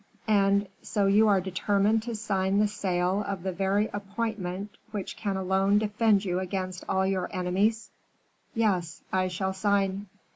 "And so you are determined to sign the sale of the very appointment which can alone defend you against all your enemies." "Yes, I shall sign."